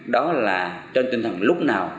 đó là trên tinh thần lúc nào